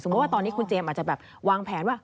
สมมุติว่าตอนนี้คุณเจมส์อาจจะวางแผนว่า